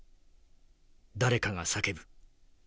誰かが叫ぶ。